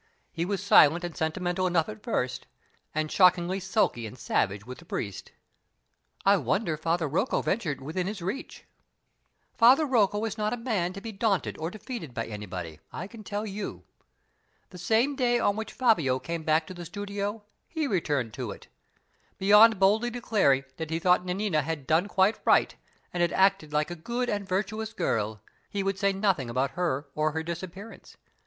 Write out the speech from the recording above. He was silent and sentimental enough at first, and shockingly sulky and savage with the priest " "I wonder Father Rocco ventured within his reach." "Father Rocco is not a man to be daunted or defeated by anybody, I can tell you. The same day on which Fabio came back to the studio, he returned to it. Beyond boldly declaring that he thought Nanina had done quite right, and had acted like a good and virtuous girl, he would say nothing about her or her disappearance.